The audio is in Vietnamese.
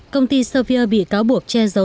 công ty sevier bị cáo buộc che giấu